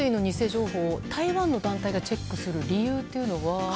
情報台湾の団体がチェックする理由というのは。